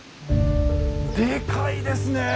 でかいですねえ